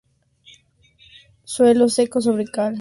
Suelos secos sobre cal.